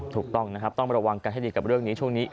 ถูกต้องนะครับต้องระวังกันให้ดีกับเรื่องนี้ช่วงนี้